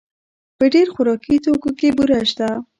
په ډېر خوراکي توکو کې بوره شته.